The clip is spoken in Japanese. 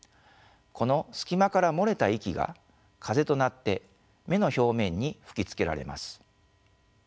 この隙間から漏れた息が風となって目の表面に吹きつけられます。